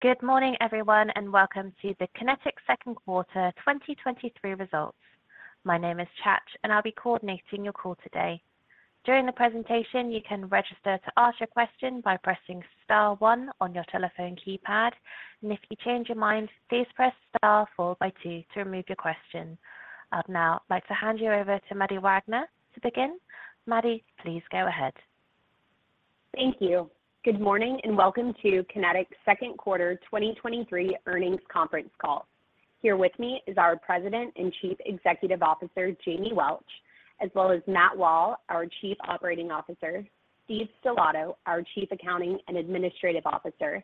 Good morning, everyone, and welcome to the Kinetik Second Quarter 2023 Results. My name is Chach, and I'll be coordinating your call today. During the presentation, you can register to ask your question by pressing star one on your telephone keypad, and if you change your mind, please press star followed by two to remove your question. I'd now like to hand you over to Maddie Wagner to begin. Maddie, please go ahead. Thank you. Good morning, and welcome to Kinetik's second quarter 2023 earnings conference call. Here with me is our President and Chief Executive Officer, Jamie Welch, as well as Matt Wall, our Chief Operating Officer, Steve Stellato, our Chief Accounting and Administrative Officer,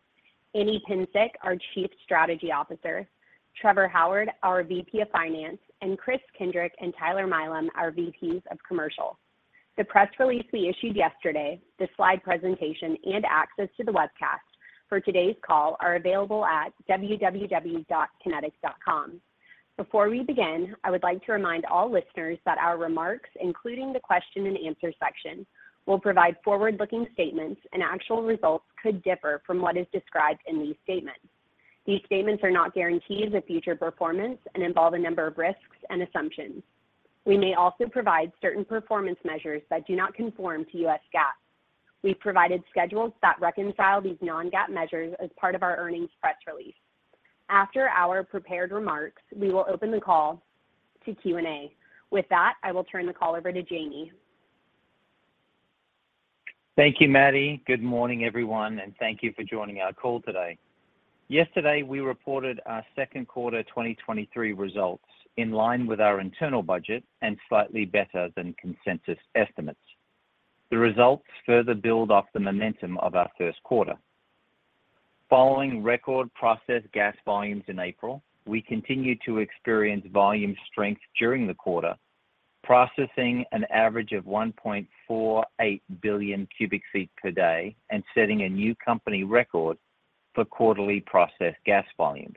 Anne Psencik, our Chief Strategy Officer, Trevor Howard, our VP of Finance, and Chris Kendrick and Tyler Milam, our VPs of Commercial. The press release we issued yesterday, the slide presentation, and access to the webcast for today's call are available at www.kinetik.com. Before we begin, I would like to remind all listeners that our remarks, including the question and answer section, will provide forward-looking statements, and actual results could differ from what is described in these statements. These statements are not guarantees of future performance and involve a number of risks and assumptions. We may also provide certain performance measures that do not conform to U.S. GAAP. We've provided schedules that reconcile these non-GAAP measures as part of our earnings press release. After our prepared remarks, we will open the call to Q&A. With that, I will turn the call over to Jamie. Thank you, Maddie. Good morning, everyone, and thank you for joining our call today. Yesterday, we reported our second quarter 2023 results in line with our internal budget and slightly better than consensus estimates. The results further build off the momentum of our first quarter. Following record processed gas volumes in April, we continued to experience volume strength during the quarter, processing an average of 1.48 billion cu ft per day and setting a new company record for quarterly processed gas volumes.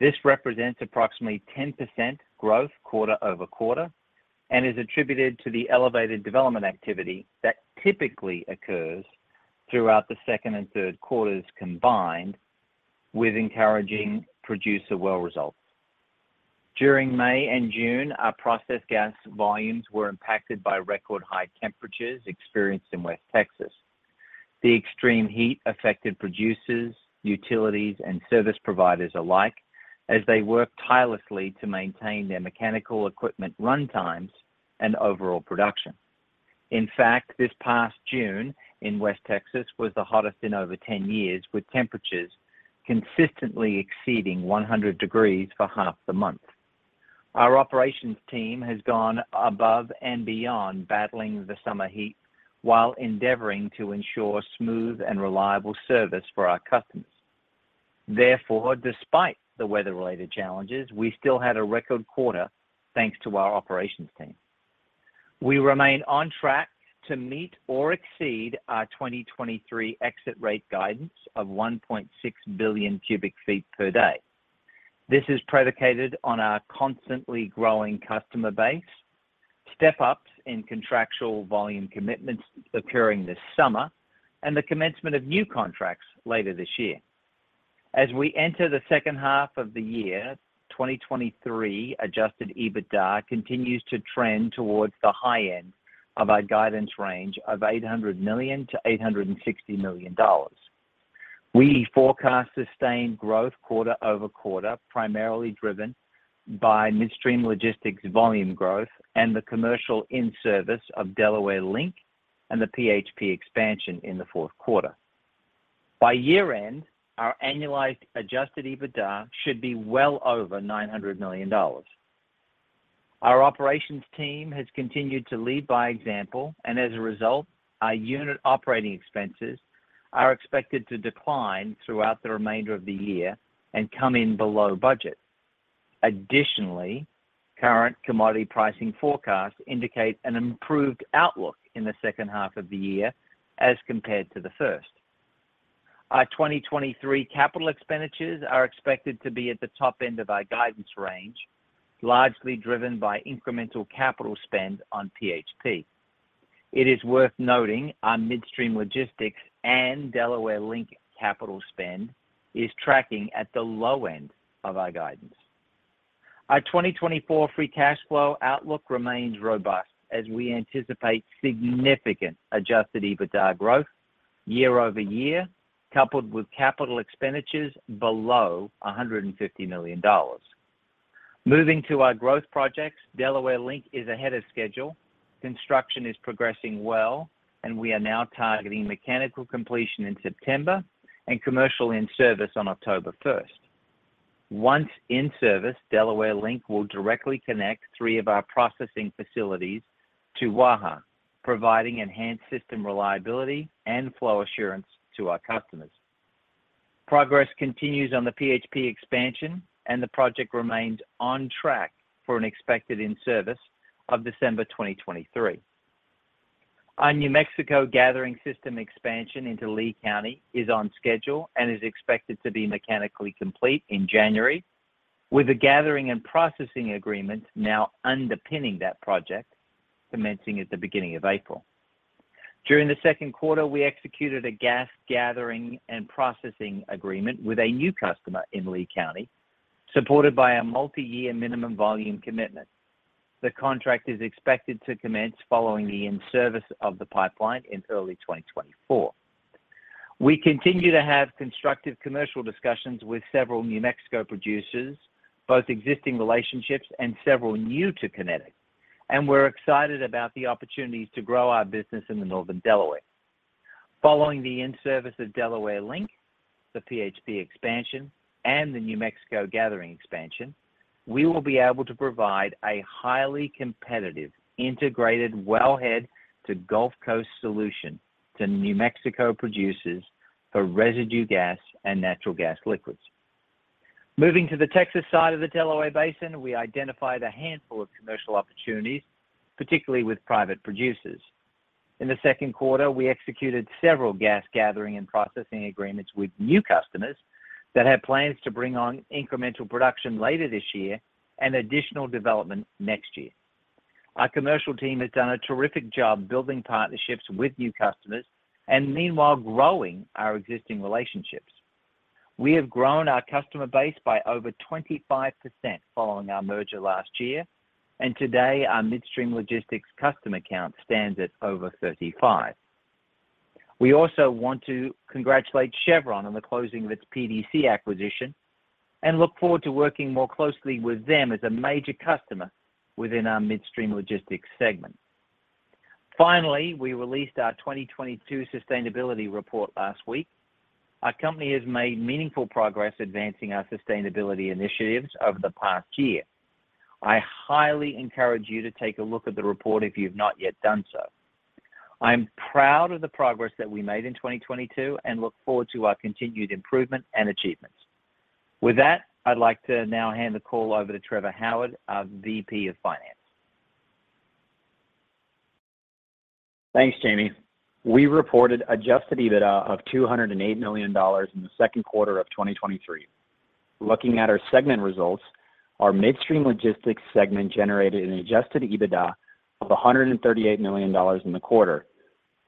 This represents approximately 10% growth quarter-over-quarter and is attributed to the elevated development activity that typically occurs throughout the second and third quarters, combined with encouraging producer well results. During May and June, our processed gas volumes were impacted by record high temperatures experienced in West Texas. The extreme heat affected producers, utilities, and service providers alike as they worked tirelessly to maintain their mechanical equipment run times and overall production. In fact, this past June in West Texas was the hottest in over 10 years, with temperatures consistently exceeding 100 degrees for half the month. Our operations team has gone above and beyond battling the summer heat while endeavoring to ensure smooth and reliable service for our customers. Therefore, despite the weather-related challenges, we still had a record quarter, thanks to our operations team. We remain on track to meet or exceed our 2023 exit rate guidance of 1.6 billion cu ft per day. This is predicated on our constantly growing customer base, step ups in contractual volume commitments occurring this summer, and the commencement of new contracts later this year. As we enter the second half of 2023, adjusted EBITDA continues to trend towards the high end of our guidance range of $800 million-$860 million. We forecast sustained growth quarter-over-quarter, primarily driven by Midstream Logistics volume growth and the commercial in-service of Delaware Link and the PHP expansion in the fourth quarter. By year-end, our annualized adjusted EBITDA should be well over $900 million. Our operations team has continued to lead by example, and as a result, our unit operating expenses are expected to decline throughout the remainder of the year and come in below budget. Additionally, current commodity pricing forecasts indicate an improved outlook in the second half of the year as compared to the first. Our 2023 capital expenditures are expected to be at the top end of our guidance range, largely driven by incremental capital spend on PHP. It is worth noting our Midstream Logistics and Delaware Link capital spend is tracking at the low end of our guidance. Our 2024 free cash flow outlook remains robust as we anticipate significant adjusted EBITDA growth year-over-year, coupled with capital expenditures below $150 million. Moving to our growth projects, Delaware Link is ahead of schedule. Construction is progressing well, and we are now targeting mechanical completion in September and commercial in-service on October 1st. Once in service, Delaware Link will directly connect three of our processing facilities to Waha, providing enhanced system reliability and flow assurance to our customers. Progress continues on the PHP expansion. The project remains on track for an expected in-service of December 2023. Our New Mexico gathering system expansion into Lea County is on schedule and is expected to be mechanically complete in January, with a gathering and processing agreement now underpinning that project commencing at the beginning of April. During the second quarter, we executed a gas gathering and processing agreement with a new customer in Lea County, supported by a multi-year minimum volume commitment. The contract is expected to commence following the in-service of the pipeline in early 2024. We continue to have constructive commercial discussions with several New Mexico producers, both existing relationships and several new to Kinetik. We're excited about the opportunities to grow our business in the Northern Delaware. Following the in-service of Delaware Link, the PHP expansion, and the New Mexico gathering expansion, we will be able to provide a highly competitive, integrated wellhead to Gulf Coast solution to New Mexico producers for residue gas and natural gas liquids. Moving to the Texas side of the Delaware Basin, we identified a handful of commercial opportunities, particularly with private producers. In the second quarter, we executed several gas gathering and processing agreements with new customers that have plans to bring on incremental production later this year and additional development next year. Our commercial team has done a terrific job building partnerships with new customers and meanwhile growing our existing relationships. We have grown our customer base by over 25% following our merger last year, and today our Midstream Logistics customer count stands at over 35. We also want to congratulate Chevron on the closing of its PDC acquisition and look forward to working more closely with them as a major customer within our Midstream Logistics Segment. Finally, we released our 2022 sustainability report last week. Our company has made meaningful progress advancing our sustainability initiatives over the past year. I highly encourage you to take a look at the report if you've not yet done so. I'm proud of the progress that we made in 2022 and look forward to our continued improvement and achievements. With that, I'd like to now hand the call over to Trevor Howard, our VP of Finance. Thanks, Jamie. We reported adjusted EBITDA of $208 million in the second quarter of 2023. Looking at our segment results, our Midstream Logistics Segment generated an adjusted EBITDA of $138 million in the quarter,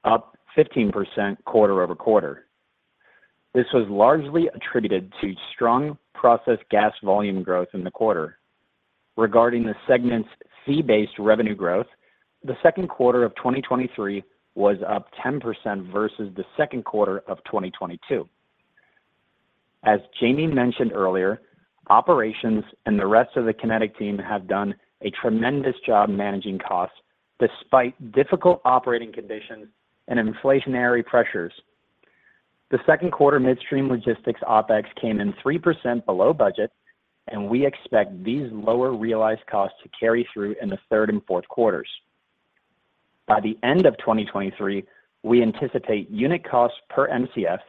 up 15% quarter-over-quarter. This was largely attributed to strong processed gas volume growth in the quarter. Regarding the segment's fee-based revenue growth, the second quarter of 2023 was up 10% versus the second quarter of 2022. As Jamie mentioned earlier, operations and the rest of the Kinetik team have done a tremendous job managing costs despite difficult operating conditions and inflationary pressures. The second quarter Midstream Logistics OpEx came in 3% below budget, and we expect these lower realized costs to carry through in the third and fourth quarters. By the end of 2023, we anticipate unit costs per Mcf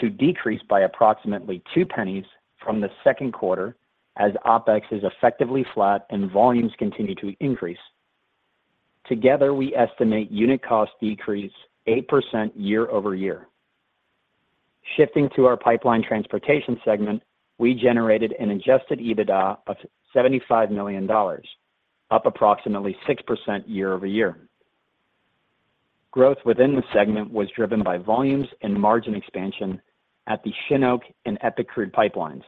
to decrease by approximately $0.02 from the second quarter as OpEx is effectively flat and volumes continue to increase. Together, we estimate unit cost decrease 8% year-over-year. Shifting to our Pipeline Transportation Segment, we generated an adjusted EBITDA of $75 million, up approximately 6% year-over-year. Growth within the segment was driven by volumes and margin expansion at the Shin Oak and EPIC crude pipelines.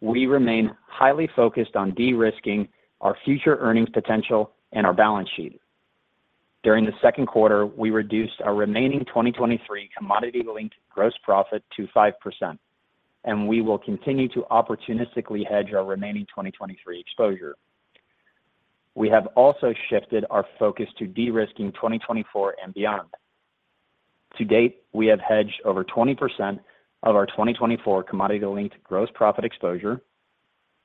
We remain highly focused on de-risking our future earnings potential and our balance sheet. During the second quarter, we reduced our remaining 2023 commodity-linked gross profit to 5%, and we will continue to opportunistically hedge our remaining 2023 exposure. We have also shifted our focus to de-risking 2024 and beyond. To date, we have hedged over 20% of our 2024 commodity-linked gross profit exposure,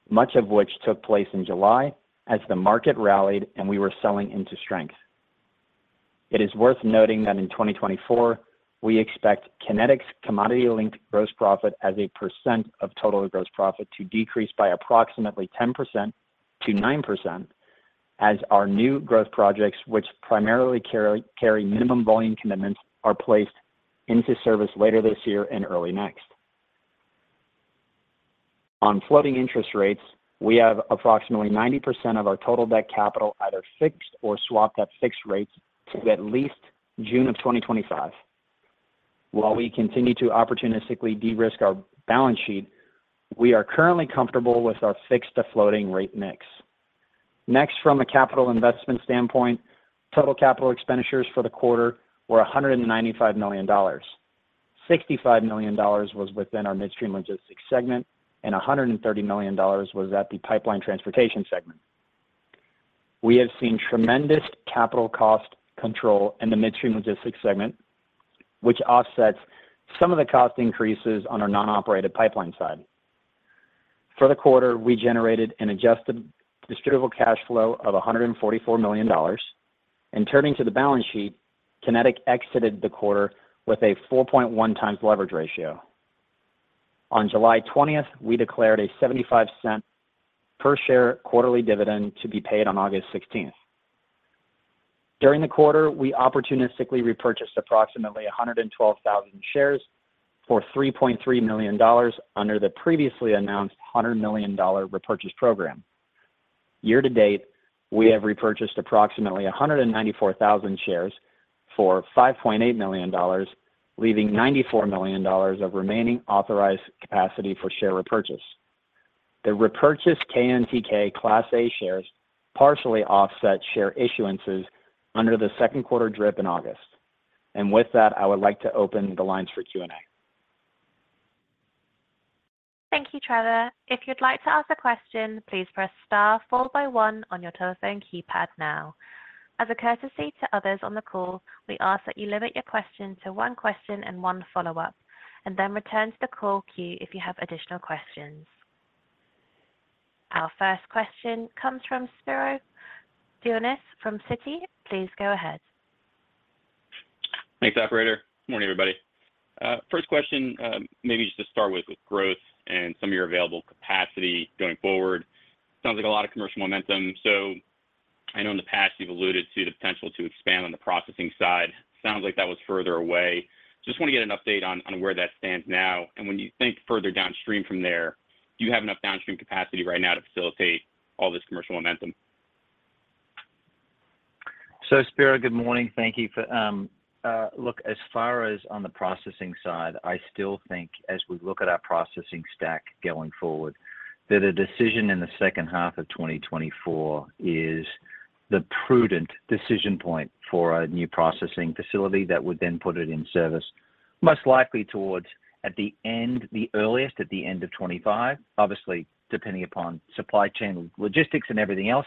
much of which took place in July as the market rallied and we were selling into strength. It is worth noting that in 2024, we expect Kinetik's commodity-linked gross profit as a percent of total gross profit to decrease by approximately 10% to 9%, as our new growth projects, which primarily carry, carry minimum volume commitments, are placed into service later this year and early next. On floating interest rates, we have approximately 90% of our total debt capital either fixed or swapped at fixed rates to at least June of 2025. While we continue to opportunistically de-risk our balance sheet, we are currently comfortable with our fixed-to-floating rate mix. Next, from a capital investment standpoint, total capital expenditures for the quarter were $195 million. $65 million was within our Midstream Logistics Segment, and $130 million was at the Pipeline Transportation Segment. We have seen tremendous capital cost control in the Midstream Logistics Segment, which offsets some of the cost increases on our non-operated pipeline side. For the quarter, we generated an adjusted distributable cash flow of $144 million. Turning to the balance sheet, Kinetik exited the quarter with a 4.1x leverage ratio. On July 20th, we declared a $0.75 per share quarterly dividend to be paid on August 16th. During the quarter, we opportunistically repurchased approximately 112,000 shares for $3.3 million under the previously announced $100 million repurchase program. ... Year-to-date, we have repurchased approximately 194,000 shares for $5.8 million, leaving $94 million of remaining authorized capacity for share repurchase. The repurchased KNTK Class A shares partially offset share issuances under the second quarter DRIP in August. With that, I would like to open the lines for Q&A. Thank you, Trevor. If you'd like to ask a question, please press star followed by one on your telephone keypad now. As a courtesy to others on the call, we ask that you limit your question to one question and one follow-up, and then return to the call queue if you have additional questions. Our first question comes from Spiro Dounis from Citi. Please go ahead. Thanks, Operator. Morning, everybody. First question, maybe just to start with, with growth and some of your available capacity going forward. Sounds like a lot of commercial momentum. I know in the past you've alluded to the potential to expand on the processing side. Sounds like that was further away. Just want to get an update on, on where that stands now, and when you think further downstream from there, do you have enough downstream capacity right now to facilitate all this commercial momentum? Spiro, good morning. Thank you for... look, as far as on the processing side, I still think as we look at our processing stack going forward, that a decision in the second half of 2024 is the prudent decision point for a new processing facility that would then put it in service, most likely towards at the end, the earliest, at the end of 2025. Obviously, depending upon supply chain, logistics, and everything else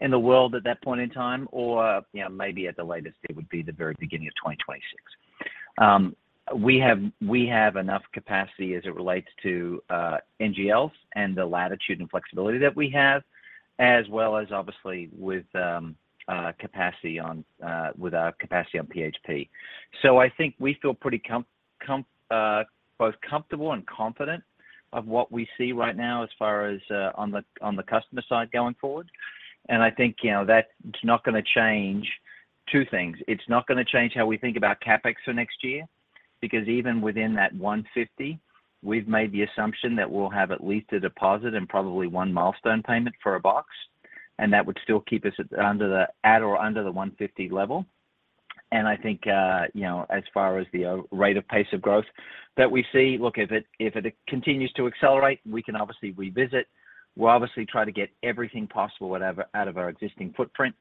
in the world at that point in time, or, you know, maybe at the latest, it would be the very beginning of 2026. We have, we have enough capacity as it relates to NGLs and the latitude and flexibility that we have, as well as obviously with, capacity on, with our capacity on PHP. I think we feel pretty both comfortable and confident of what we see right now as far as on the customer side going forward. I think, you know, that's not going to change two things. It's not going to change how we think about CapEx for next year, because even within that $150 million, we've made the assumption that we'll have at least a deposit and probably one milestone payment for a box, and that would still keep us at or under the $150 million level. I think, you know, as far as the rate of pace of growth that we see, look, if it, if it continues to accelerate, we can obviously revisit. We'll obviously try to get everything possible, whatever out of our existing footprint.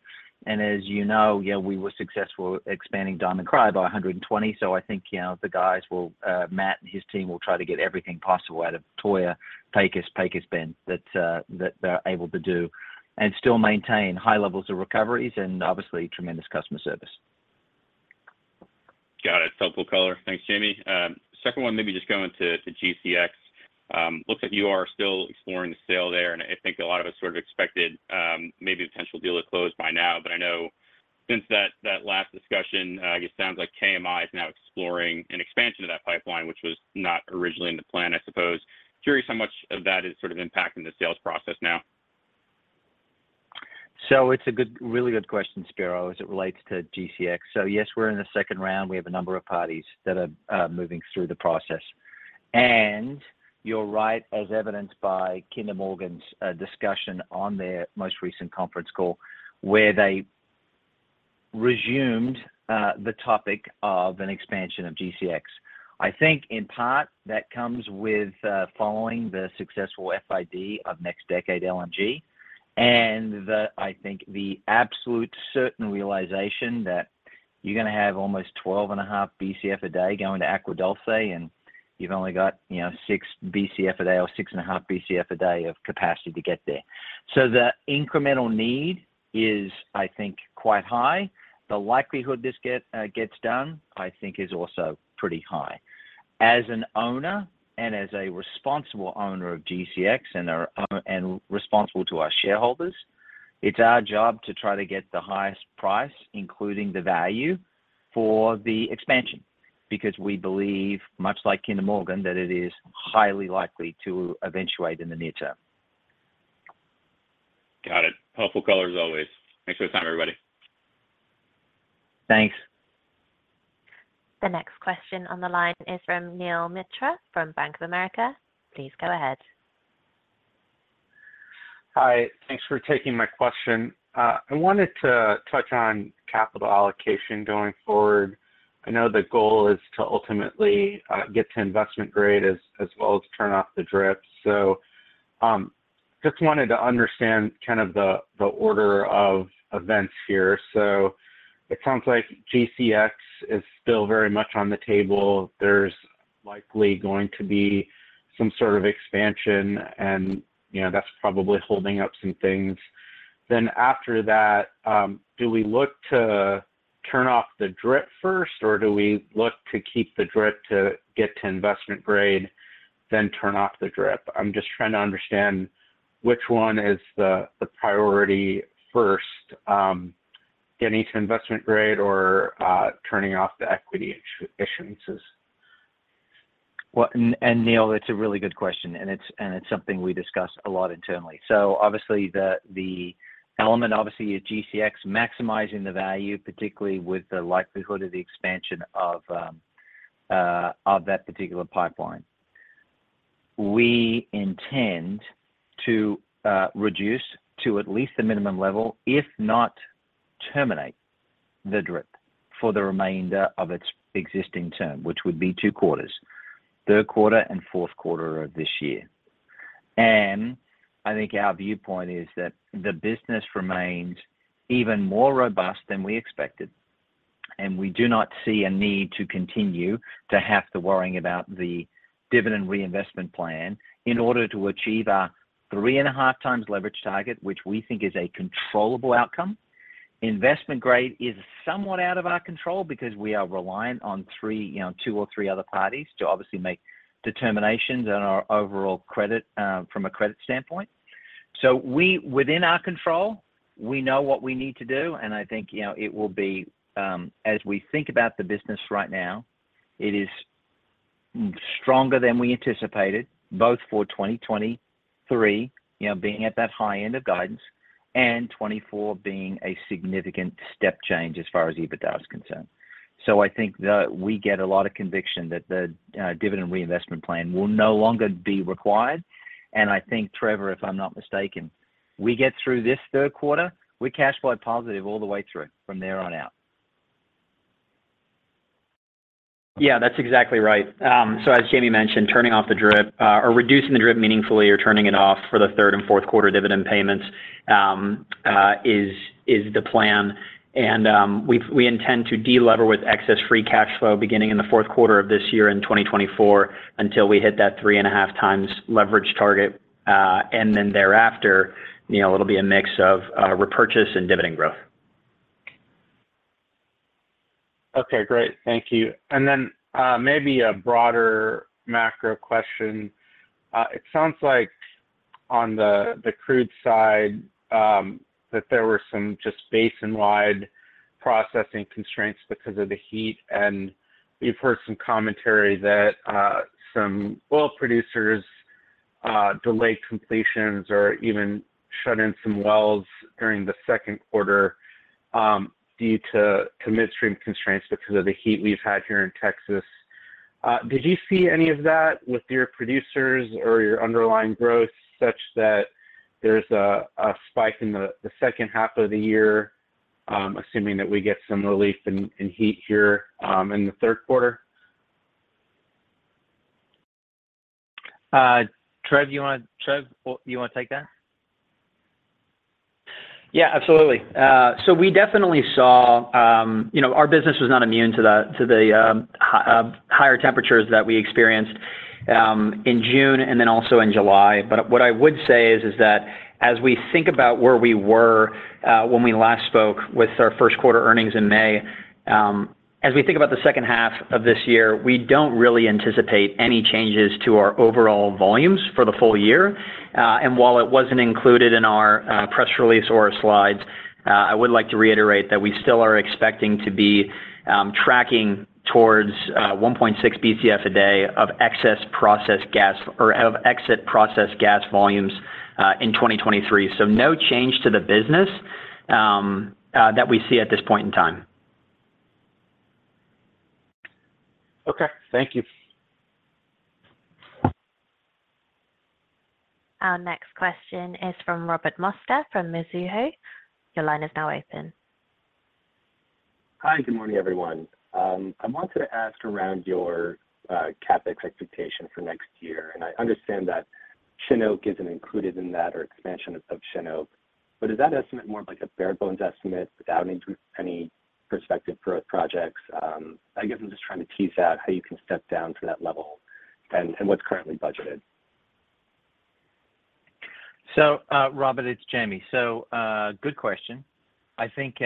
As you know, yeah, we were successful expanding Diamond Cryo by 120. I think, you know, the guys will, Matt and his team will try to get everything possible out of Toyah, Pecos, Pecos Bend, that, that they're able to do, and still maintain high levels of recoveries and obviously tremendous customer service. Got it. Helpful color. Thanks, Jamie. Second one, maybe just going to, to GCX. Looks like you are still exploring the sale there, and I think a lot of us sort of expected, maybe a potential deal to close by now. I know since that, that last discussion, it sounds like KMI is now exploring an expansion of that pipeline, which was not originally in the plan, I suppose. Curious how much of that is sort of impacting the sales process now? It's a good, really good question, Spiro, as it relates to GCX. Yes, we're in the second round. We have a number of parties that are moving through the process. You're right, as evidenced by Kinder Morgan's discussion on their most recent conference call, where they resumed the topic of an expansion of GCX. I think in part, that comes with following the successful FID of Nextdecade LNG, and the, I think the absolute certain realization that you're going to have almost 12.5 BCF a day going to Agua Dulce, and you've only got, you know, 6 BCF a day or 6.5 BCF a day of capacity to get there. The incremental need is, I think, quite high. The likelihood this get gets done, I think, is also pretty high. As an owner and as a responsible owner of GCX and a owner, and responsible to our shareholders, it's our job to try to get the highest price, including the value for the expansion, because we believe, much like Kinder Morgan, that it is highly likely to eventuate in the near term. Got it. Helpful color as always. Thanks for the time, everybody. Thanks. The next question on the line is from Neel Mitra from Bank of America. Please go ahead. Hi, thanks for taking my question. I wanted to touch on capital allocation going forward. I know the goal is to ultimately get to investment grade as, as well as turn off the DRIP. Just wanted to understand kind of the, the order of events here. It sounds like GCX is still very much on the table. There's likely going to be some sort of expansion, and, you know, that's probably holding up some things. After that, do we look to turn off the DRIP first, or do we look to keep the DRIP to get to investment grade, then turn off the DRIP? I'm just trying to understand which one is the, the priority first, getting to investment grade or turning off the equity issuances. Well, and, and Neel, that's a really good question, and it's, and it's something we discuss a lot internally. Obviously, the, the element, obviously, is GCX, maximizing the value, particularly with the likelihood of the expansion of that particular pipeline. We intend to reduce to at least the minimum level, if not terminate the DRIP for the remainder of its existing term, which would be two quarters, third quarter and fourth quarter of this year. I think our viewpoint is that the business remains even more robust than we expected, and we do not see a need to continue to have the worrying about the dividend reinvestment plan in order to achieve our 3.5x leverage target, which we think is a controllable outcome. Investment grade is somewhat out of our control because we are reliant on three, you know, two or three other parties to obviously make determinations on our overall credit, from a credit standpoint. We, within our control, we know what we need to do, and I think, you know, it will be. As we think about the business right now, it is stronger than we anticipated, both for 2023, you know, being at that high end of guidance, and 2024 being a significant step change as far as EBITDA is concerned. I think that we get a lot of conviction that the dividend reinvestment plan will no longer be required. I think, Trevor, if I'm not mistaken, we get through this third quarter, we're cash flow positive all the way through from there on out. Yeah, that's exactly right. As Jamie mentioned, turning off the DRIP or reducing the DRIP meaningfully or turning it off for the third and fourth quarter dividend payments, is, is the plan. We, we intend to delever with excess free cash flow beginning in the fourth quarter of this year in 2024, until we hit that 3.5x leverage target. Then thereafter, it'll be a mix of repurchase and dividend growth. Okay, great. Thank you. Maybe a broader macro question. It sounds like on the crude side, that there were some just basin-wide processing constraints because of the heat, and we've heard some commentary that some oil producers delayed completions or even shut in some wells during the second quarter, due to midstream constraints because of the heat we've had here in Texas. Did you see any of that with your producers or your underlying growth such that there's a spike in the second half of the year, assuming that we get some relief in heat here in the third quarter? Trev, you want to take that? Yeah, absolutely. We definitely saw, you know, our business was not immune to the, to the higher temperatures that we experienced in June and then also in July. What I would say is, is that as we think about where we were, when we last spoke with our first quarter earnings in May, as we think about the second half of this year, we don't really anticipate any changes to our overall volumes for the full year. While it wasn't included in our press release or our slides, I would like to reiterate that we still are expecting to be tracking towards 1.6 BCF a day of excess processed gas or of exit processed gas volumes in 2023. No change to the business, that we see at this point in time. Okay, thank you. Our next question is from Robert Mosca from Mizuho. Your line is now open. Hi, good morning, everyone. I wanted to ask around your CapEx expectation for next year, and I understand that Shin Oak isn't included in that or expansion of Shin Oak, but is that estimate more of like a bare bones estimate without include any prospective growth projects? I guess I'm just trying to tease out how you can step down to that level and, and what's currently budgeted. Robert, it's Jamie. Good question. I think,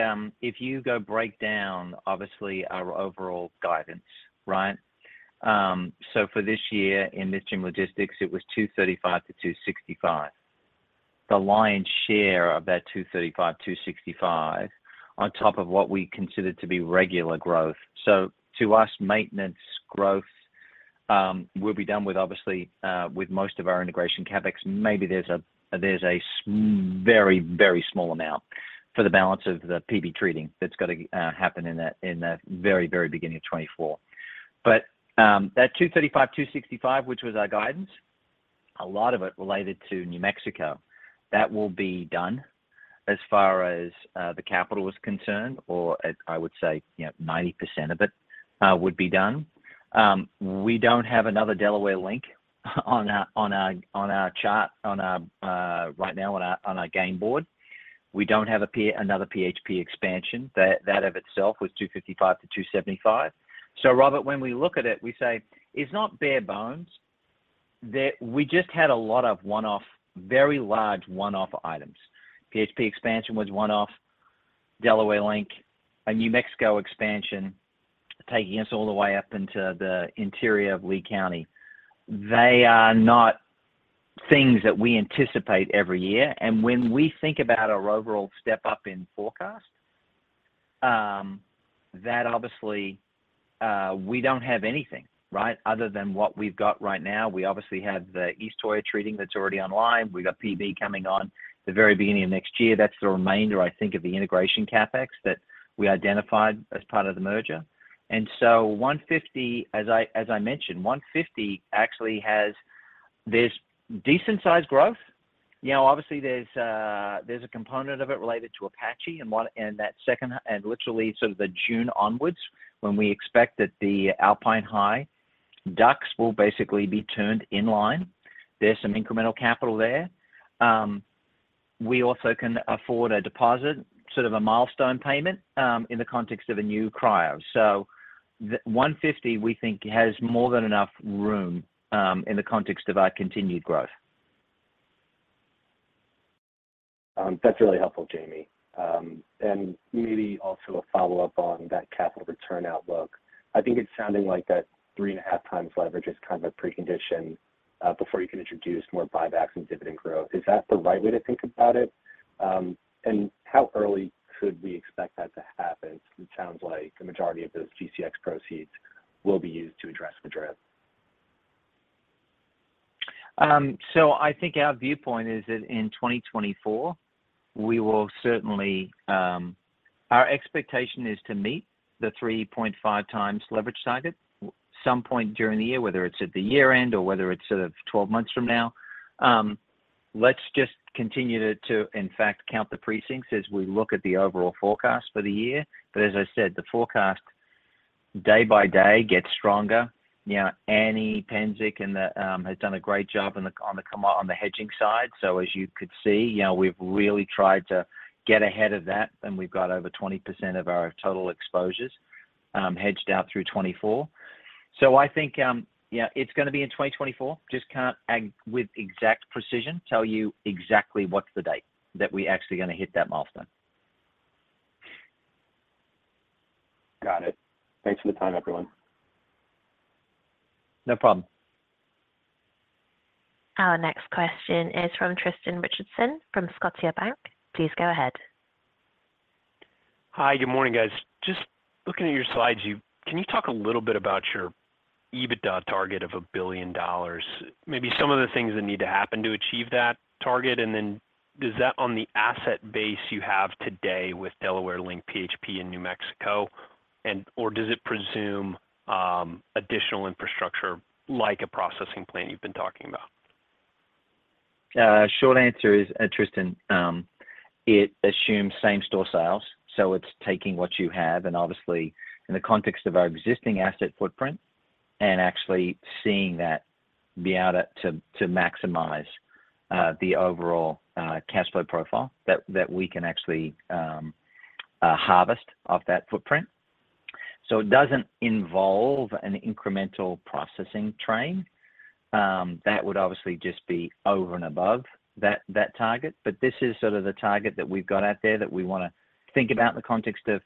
if you go break down, obviously, our overall guidance, right? For this year in Midstream Logistics, it was $235 million-$265 million The lion's share of that $235 million-$265 million on top of what we considered to be regular growth. To us, maintenance growth, will be done with, obviously, with most of our integration CapEx. Maybe there's a, there's a very, very small amount for the balance of the PB treating that's got to happen in the, in the very, very beginning of 2024. That $235 million-$265 million, which was our guidance, a lot of it related to New Mexico, that will be done as far as the capital is concerned, or as I would say, you know, 90% of it would be done. We don't have another Delaware Link on our, on our, on our chart, on our right now on our, on our game board. We don't have another PHP expansion. That, that of itself was $255 million-$275 million. Robert, when we look at it, we say it's not bare bones. We just had a lot of one-off, very large one-off items. PHP expansion was one-off, Delaware Link, a New Mexico expansion, taking us all the way up into the interior of Lea County. They are not things that we anticipate every year. When we think about our overall step up in forecast, that obviously, we don't have anything, right, other than what we've got right now. We obviously have the East Toyah treating that's already online. We got PB coming on the very beginning of next year. That's the remainder, I think, of the integration CapEx that we identified as part of the merger. $150 million, as I, as I mentioned, $150 million actually has this decent-sized growth-. Yeah, obviously there's, there's a component of it related to Apache and one-- and that second, and literally sort of the June onwards, when we expect that the Alpine High DUCs will basically be turned in line. There's some incremental capital there. We also can afford a deposit, sort of a milestone payment, in the context of a new cryo. The $150 million, we think, has more than enough room, in the context of our continued growth. That's really helpful, Jamie. Maybe also a follow-up on that capital return outlook. I think it's sounding like that 3.5x leverage is kind of a precondition, before you can introduce more buybacks and dividend growth. Is that the right way to think about it? How early should we expect that to happen? It sounds like the majority of those GCX proceeds will be used to address the DRIP. I think our viewpoint is that in 2024, we will certainly. Our expectation is to meet the 3.5x leverage target some point during the year, whether it's at the year-end or whether it's sort of 12 months from now. Let's just continue to, to in fact, count the precincts as we look at the overall forecast for the year. As I said, the forecast day by day gets stronger. You know, Anne Psencik and the has done a great job on the, on the hedging side. As you could see, you know, we've really tried to get ahead of that, and we've got over 20% of our total exposures hedged out through 2024. I think, yeah, it's going to be in 2024. Just can't, with exact precision, tell you exactly what's the date that we're actually going to hit that milestone. Got it. Thanks for the time, everyone. No problem. Our next question is from Tristan Richardson from Scotiabank. Please go ahead. Hi, good morning, guys. Just looking at your slides, can you talk a little bit about your EBITDA target of $1 billion? Maybe some of the things that need to happen to achieve that target, does that on the asset base you have today with Delaware Link, PHP, and New Mexico, and or does it presume additional infrastructure like a processing plant you've been talking about? short answer is, Tristan, it assumes same-store sales, so it's taking what you have, and obviously in the context of our existing asset footprint, and actually seeing that be able to maximize the overall cash flow profile that we can actually harvest off that footprint. It doesn't involve an incremental processing train. That would obviously just be over and above that target. This is sort of the target that we've got out there that we wanna think about in the context of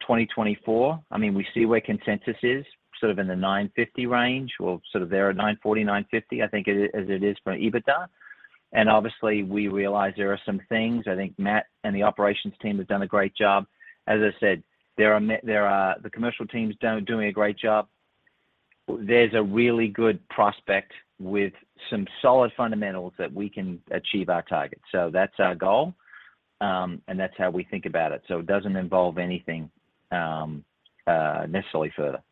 2024. I mean, we see where consensus is, sort of in the $950 million range, or sort of there at $940 million, $950 million, I think, as it is for EBITDA. Obviously, we realize there are some things. I think Matt and the operations team have done a great job. As I said, the commercial team is done, doing a great job. There's a really good prospect with some solid fundamentals that we can achieve our target. That's our goal, and that's how we think about it. It doesn't involve anything necessarily further.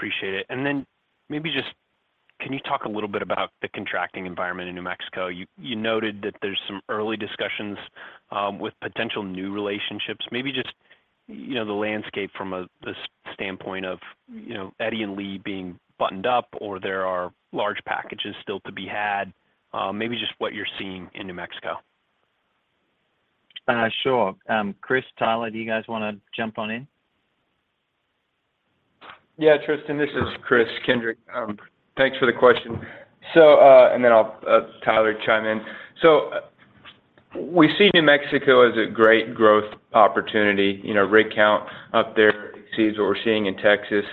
Appreciate it. Maybe just, can you talk a little bit about the contracting environment in New Mexico? You, you noted that there's some early discussions with potential new relationships. Maybe just, you know, the landscape from a, the standpoint of, you know, Eddy and Lee being buttoned up, or there are large packages still to be had, maybe just what you're seeing in New Mexico? Sure. Chris, Tyler, do you guys wanna jump on in? Yeah, Tristan, this is Chris Kendrick. Thanks for the question. I'll Tyler chime in. We see New Mexico as a great growth opportunity. You know, rig count up there exceeds what we're seeing in Texas.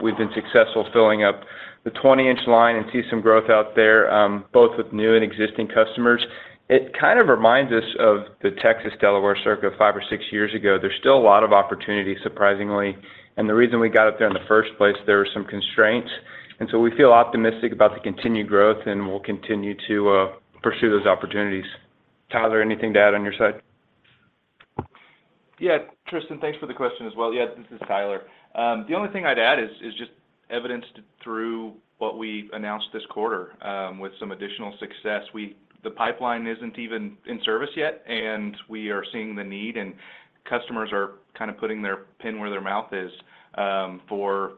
We've been successful filling up the 20-inch line and see some growth out there, both with new and existing customers. It kind of reminds us of the Texas-Delaware circuit five or six years ago. There's still a lot of opportunity, surprisingly, and the reason we got up there in the first place, there were some constraints, and we feel optimistic about the continued growth, and we'll continue to pursue those opportunities. Tyler, anything to add on your side? Yeah, Tristan, thanks for the question as well. Yes, this is Tyler. The only thing I'd add is, is just evidenced through what we announced this quarter, with some additional success. The pipeline isn't even in service yet, and we are seeing the need, and customers are kind of putting their pin where their mouth is, for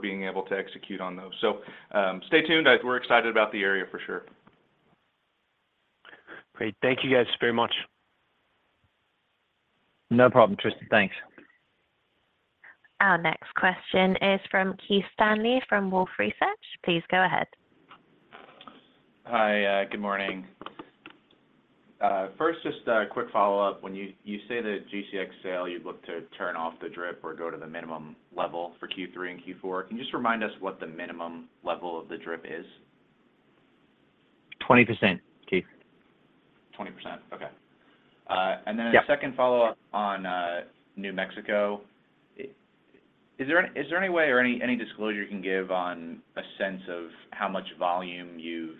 being able to execute on those. Stay tuned. We're excited about the area for sure. Great. Thank you, guys, very much. No problem, Tristan. Thanks. Our next question is from Keith Stanley, from Wolfe Research. Please go ahead. Hi, good morning. First, just a quick follow-up. When you, you say the GCX sale, you'd look to turn off the DRIP or go to the minimum level for Q3 and Q4, can you just remind us what the minimum level of the DRIP is? 20%, Keith. 20%. Okay. Yeah The second follow-up on New Mexico. Is there, is there any way or any, any disclosure you can give on a sense of how much volume you've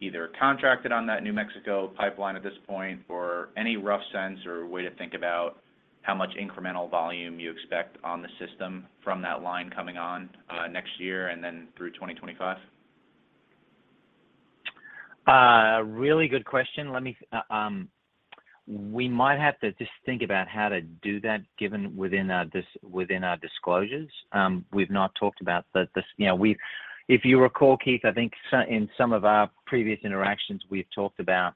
either contracted on that New Mexico pipeline at this point, or any rough sense or way to think about how much incremental volume you expect on the system from that line coming on, next year and then through 2025? Really good question. Let me, we might have to just think about how to do that, given within our disclosures. We've not talked about the, the, you know, If you recall, Keith, I think in some of our previous interactions, we've talked about,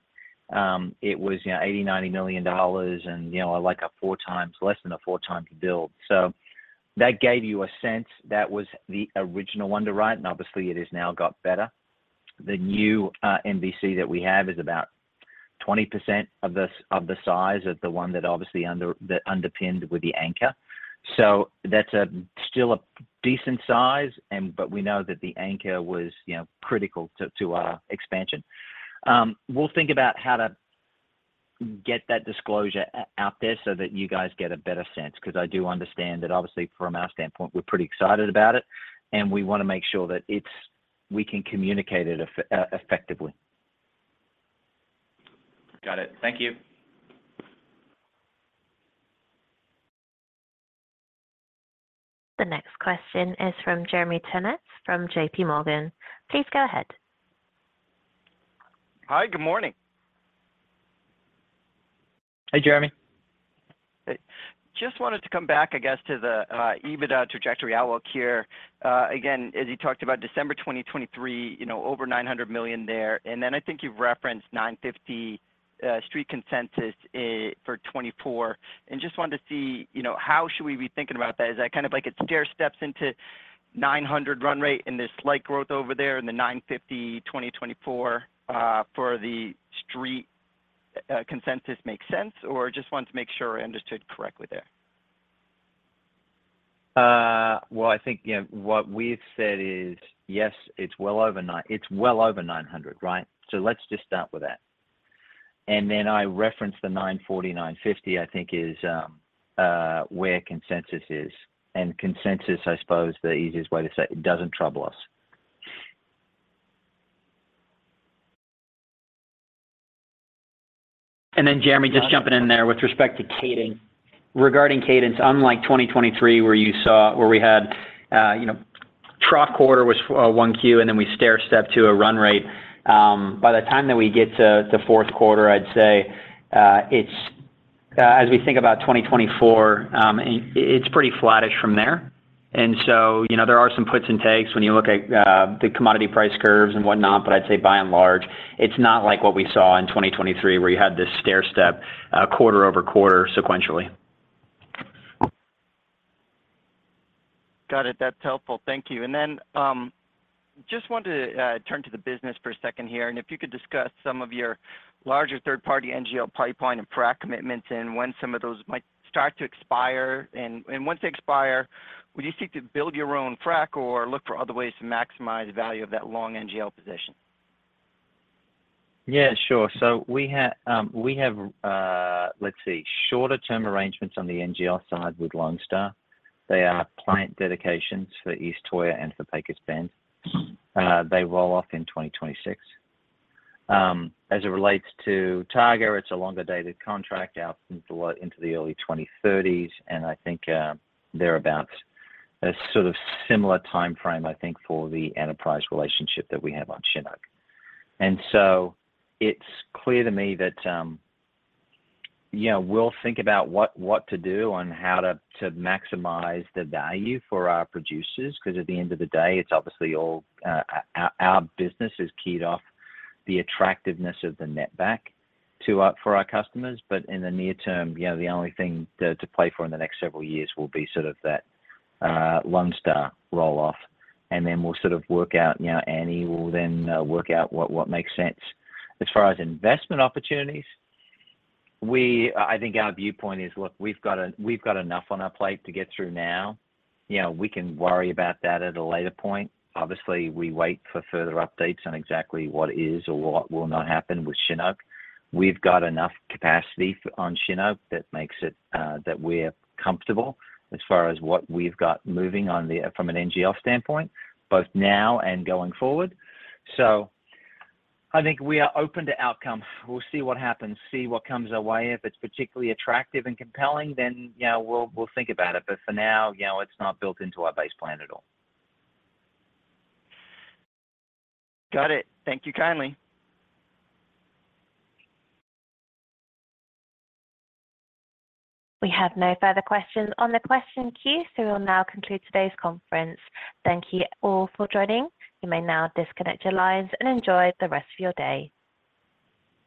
it was, you know, $80 million, $90 million and, you know, like a 4x, less than a 4x build. That gave you a sense. That was the original wonder, right? Obviously it has now got better. The new MVC that we have is about 20% of the, of the size of the one that obviously underpinned with the anchor. That's a, still a decent size, and but we know that the anchor was, you know, critical to, to, expansion. We'll think about how to get that disclosure out there so that you guys get a better sense, because I do understand that obviously from our standpoint, we're pretty excited about it, and we want to make sure that we can communicate it effectively. Got it. Thank you. The next question is from Jeremy Tonet, from JPMorgan. Please go ahead. Hi, good morning. Hey, Jeremy. Just wanted to come back, I guess, to the EBITDA trajectory outlook here. Again, as you talked about December 2023, you know, over $900 million there, then I think you've referenced $950 million, Street consensus, for 2024. Just wanted to see, you know, how should we be thinking about that? Is that kind of like a stair steps into $900 million run rate and the slight growth over there in the $950 million, 2024 for The Street, consensus make sense? Just want to make sure I understood correctly there. Well, I think, you know, what we've said is, yes, it's well over $900 million, right? Let's just start with that. Then I referenced the $940 million, $950 million, I think is where consensus is. Consensus, I suppose, the easiest way to say it, it doesn't trouble us. Jeremy, just jumping in there with respect to cadence. Regarding cadence, unlike 2023, where you saw-- where we had, you know, trough quarter was 1Q, and then we stairstep to a run rate. By the time that we get to the fourth quarter, I'd say, it's-- as we think about 2024, it, it's pretty flattish from there. So, you know, there are some puts and takes when you look at the commodity price curves and whatnot, but I'd say by and large, it's not like what we saw in 2023, where you had this stairstep, quarter-over-quarter sequentially. Got it. That's helpful. Thank you. Just wanted to turn to the business for a second here, and if you could discuss some of your larger third-party NGL pipeline and frac commitments and when some of those might start to expire. Once they expire, would you seek to build your own frac or look for other ways to maximize the value of that long NGL position? Yeah, sure. We have, we have, let's see, shorter-term arrangements on the NGL side with Lone Star. They are plant dedications for East Toyah and for Pecos Bend. They roll off in 2026. As it relates to Tiger, it's a longer-dated contract out into the, into the early 2030s, and I think, thereabout a sort of similar timeframe, I think, for the Enterprise relationship that we have on Shin Oak. It's clear to me that, you know, we'll think about what, what to do on how to, to maximize the value for our producers, because at the end of the day, it's obviously all, our, our business is keyed off the attractiveness of the net back to our-- for our customers. In the near term, you know, the only thing to, to play for in the next several years will be sort of that, Lone Star roll-off, and then we'll sort of work out, you know, Annie will then work out what, what makes sense. As far as investment opportunities, I think our viewpoint is, look, we've got a, we've got enough on our plate to get through now. You know, we can worry about that at a later point. Obviously, we wait for further updates on exactly what is or what will not happen with Shin Oak. We've got enough capacity on Shin Oak that makes it, that we're comfortable as far as what we've got moving on the, from an NGL standpoint, both now and going forward. I think we are open to outcomes. We'll see what happens, see what comes our way. If it's particularly attractive and compelling, then, you know, we'll think about it. For now, you know, it's not built into our base plan at all. Got it. Thank you kindly. We have no further questions on the question queue, so we'll now conclude today's conference. Thank you all for joining. You may now disconnect your lines and enjoy the rest of your day.